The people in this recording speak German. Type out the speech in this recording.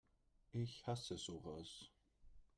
Ich hasse sowas!